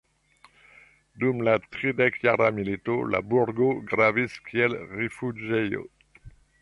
Dum la Tridekjara milito la burgo gravis kiel rifuĝejo.